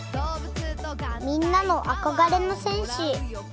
みんなのあこがれの戦士。